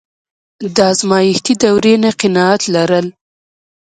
د ازمایښتي دورې نه قناعت لرل.